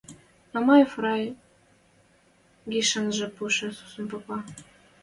Мамаев рай гишӓнжӹ пуше сусун попа.